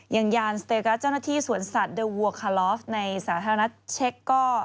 ยานสเตกัสเจ้าหน้าที่สวนสัตว์เดลวัวคาลอฟในสาธารณะเช็คก็